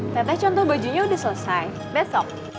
teteh contoh bajunya udah selesai besok